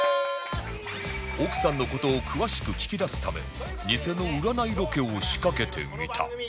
奥さんの事を詳しく聞き出すためニセの占いロケを仕掛けてみた